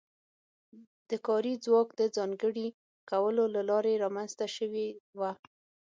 د کاري ځواک د ځانګړي کولو له لارې رامنځته شوې وه.